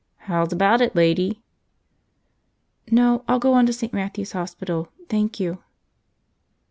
"How's about it, lady?" "No, I'll go on to St. Matthew's Hospital. Thank you."